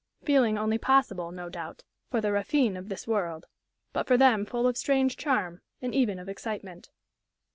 Feeling only possible, no doubt, for the raffinés of this world; but for them full of strange charm, and even of excitement.